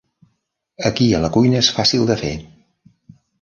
Aquí a la cuina és fàcil de fer.